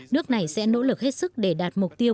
nước này sẽ nỗ lực hết sức để đạt mục tiêu